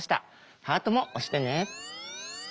ハートも押してね。